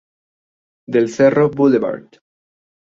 Del Cerro Blvd.